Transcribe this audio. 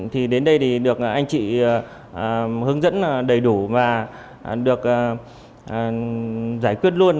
thì đến đây thì được anh chị hướng dẫn đầy đủ và được giải quyết luôn